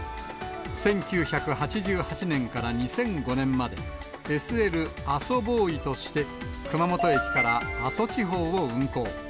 １９８８年から２００５年まで、ＳＬあそＢＯＹとして、熊本駅から阿蘇地方を運行。